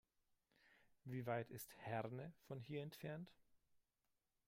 Wie weit ist Herne von hier entfernt?